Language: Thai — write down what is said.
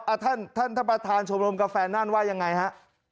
ท่านท่านท่านประธานชมรมกาแฟน่านว่ายังไงฮะ